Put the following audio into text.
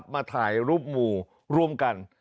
มาถ่ายรูปหมู่ร่วมกัน